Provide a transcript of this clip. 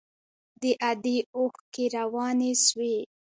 د ادې اوښکې روانې سوې.